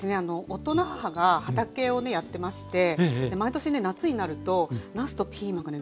夫の母が畑をねやってまして毎年ね夏になるとなすとピーマンがね